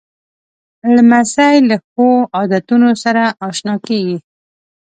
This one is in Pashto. لمسی له ښو عادتونو سره اشنا کېږي.